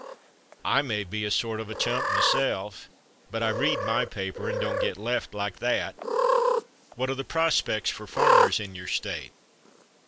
I may be a sort of a chump myself, but I read my paper and don't get left like that." "What are the prospects for farmers in your State?"